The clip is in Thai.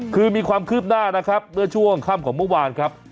คือมีความคืบหน้านะครับเมื่อช่วงค่ำของเมื่อวานครับ